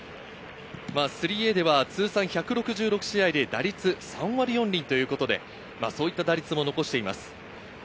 ３Ａでは通算１６６試合で打率３割４厘ということで、そういった打率も残しています。